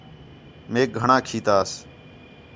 میک گھݨاں کھیتاس